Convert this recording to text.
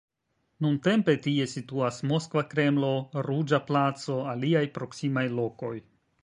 Nuntempe tie situas Moskva Kremlo, Ruĝa placo, aliaj proksimaj lokoj.